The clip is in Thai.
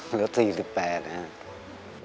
คุณหมอบอกว่าเอาไปพักฟื้นที่บ้านได้แล้ว